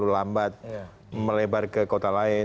lambat melebar ke kota lain